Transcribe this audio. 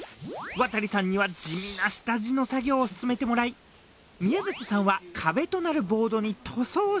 亘さんには地味な下地の作業を進めてもらい宮舘さんは壁となるボードに塗装をしていきます。